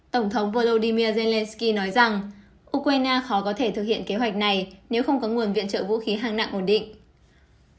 tổng thống volodymyr zelensky nói rằng ukraine khó có thể thực hiện kế hoạch này nếu không có nguồn viện trợ vũ khí hạng nặng ổn định